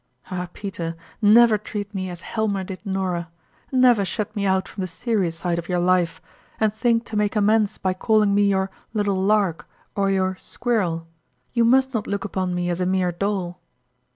Ah, Peter, never treat me as Helmer did Nora ! Never shut me out from the serious side of your life, and think to make amends by calling me your ' little lark,' or your ' squirrel ;' you must not look upon me as a mere doll